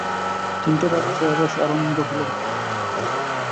তিনটে রাত্রে আবার অরাম্ভ হল।